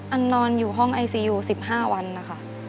นอนอยู่ห้องไอซียู๑๕วันนะคะ